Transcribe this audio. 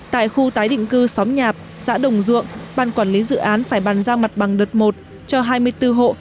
tại khu tái định cư xóm nhạp xã đồng duộng ban quản lý dự án phải bàn giao mặt bằng đợt một cho hai mươi bốn hộ